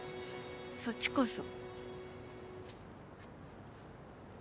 そっちこそ。